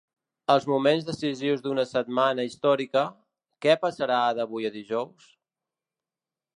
Els moments decisius d’una setmana històrica: què passarà d’avui a dijous?